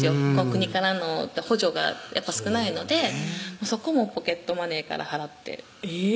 国からの補助が少ないのでそこもポケットマネーから払ってえぇ？